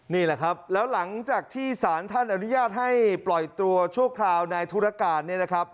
นี่แหละครับแล้วหลังจากที่สารท่านอนุญาตให้ปล่อยตัวชั่วคราวในธุรการเนี่ยนะครับ